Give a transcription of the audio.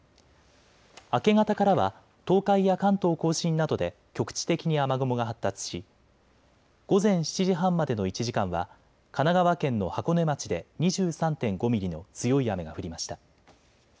明け方からは東海や関東甲信などで局地的に雨雲が発達し午前７時半までの１時間は神奈川県の箱根町で２３．５ミリの強い雨が降りました。